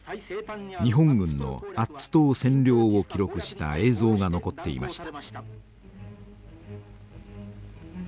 日本軍のアッツ島占領を記録した映像が残っていました。